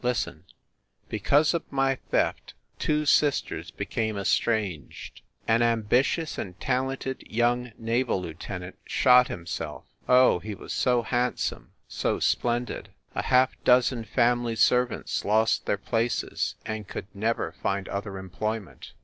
Listen : Because of my theft two sisters became estranged. An ambitious and talented young naval lieutenant shot himself. Oh, he was so handsome, so splendid ! A half dozen family servants lost their places and could never find other employment.